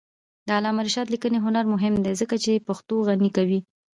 د علامه رشاد لیکنی هنر مهم دی ځکه چې پښتو غني کوي.